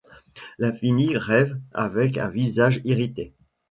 L’infini rêve, avec un visage irrité.